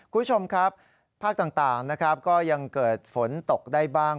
คุณผู้ชมครับภาคต่างนะครับก็ยังเกิดฝนตกได้บ้าง